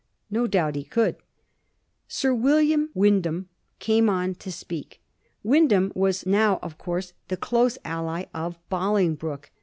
No doubt he could. Sir William Wyndham came on to speak. Wyndham was now, of course, the close ally of Bolingbroke.